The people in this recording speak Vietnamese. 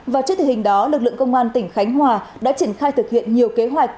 và trước tình hình đó lực lượng công an tỉnh khánh hòa đã triển khai thực hiện nhiều kế hoạch